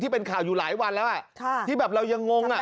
เป็นข่าวอยู่หลายวันแล้วที่แบบเรายังงงอ่ะ